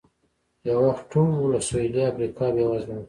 یو وخت ټوله سوېلي افریقا بېوزله وه.